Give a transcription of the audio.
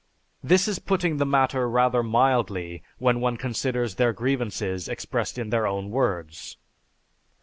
This is putting the matter rather mildly when one considers their grievances expressed in their own words.